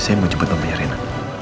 saya mau cepat temennya reina